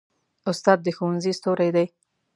استاد د ښوونځي ستوری دی.